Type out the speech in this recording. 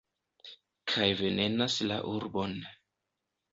Kaj venenas la urbon.